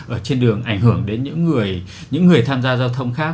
ở trên đường ảnh hưởng đến những người tham gia giao thông khác